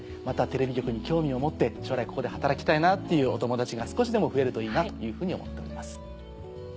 またテレビ局に興味を持って将来ここで働きたいなっていうお友達が少しでも増えるといいなというふうに思っております。